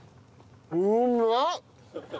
うまっ！